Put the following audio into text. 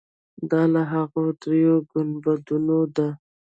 دا له هغو درېیو ګنبدونو ده.